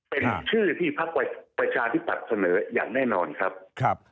เป็นชื่อที่พักประชาธิปัตย์เสนออย่างแน่นอนครับ